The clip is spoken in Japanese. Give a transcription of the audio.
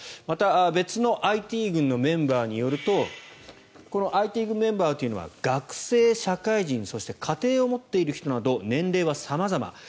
また別のＩＴ軍のメンバーによるとこのＩＴ軍メンバーというのは学生、社会人そして家庭を持っている人など年齢は様々。